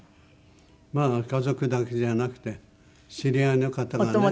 まあ家族だけじゃなくて知り合いの方がね。